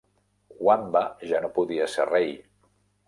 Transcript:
Wamba ja no podia ser rei.